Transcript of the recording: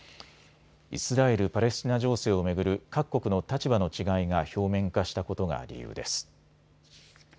イスラエル・パレスチナ情勢を巡る各国の立場の違いが表面化したことが理由です。